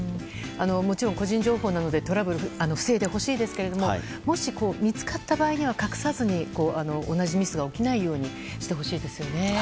もちろん個人情報なのでトラブル防いでほしいですけどもし見つかった場合は隠さずに同じミスが起きないようにしてほしいですね。